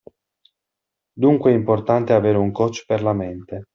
Dunque è importante avere un coach per la mente.